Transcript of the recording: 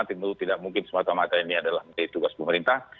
tentu tidak mungkin semata mata ini adalah menjadi tugas pemerintah